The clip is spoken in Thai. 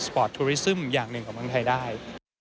ปอร์ตทุริซึมอย่างหนึ่งของเมืองไทยได้